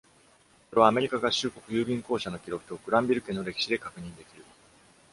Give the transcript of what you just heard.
これはアメリカ合衆国郵便公社の記録とグランビル家の歴史で確認できる。